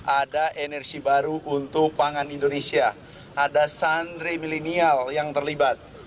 ada energi baru untuk pangan indonesia ada santri milenial yang terlibat